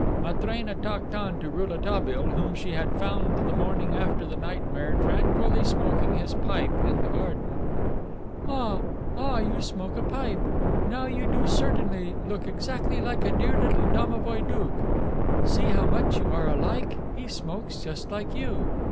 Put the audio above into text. Matrena talked on to Rouletabille, whom she had found the morning after the nightmare tranquilly smoking his pipe in the garden. "Ah, ah, you smoke a pipe. Now you do certainly look exactly like a dear little domovoi doukh. See how much you are alike. He smokes just like you.